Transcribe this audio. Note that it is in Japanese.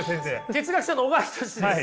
哲学者の小川仁志です。